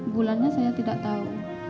bulannya saya tidak tahu